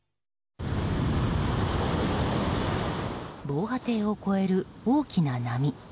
防波堤を越える大きな波。